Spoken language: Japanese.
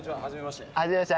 はじめまして。